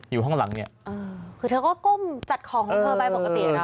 อยู่ข้างหลังเนี่ยคือเธอก็ก้มจัดของของเธอไปปกติอ่ะนะ